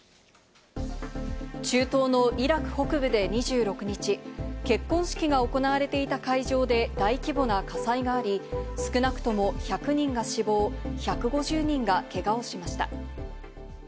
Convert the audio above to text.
中東のイラク北部で２６日、結婚式が行われていた会場で大規模な火災があり、少なくとも１００人が死亡、１５０人がけがをしました。